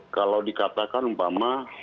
kalau dikatakan umpama